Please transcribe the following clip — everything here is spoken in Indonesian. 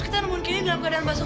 kita nohon gini dalam keadaan basah